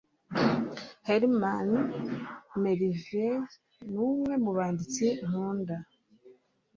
Herman Melville numwe mubanditsi nkunda. (FeuDRenais)